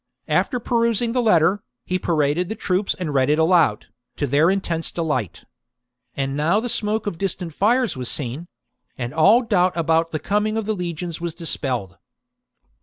After perusing the letter, he paraded the troops and read it aloud, to their intense delight. And now the smoke of distant fires was seen ; and all doubt about the coming of the legions was dispelled.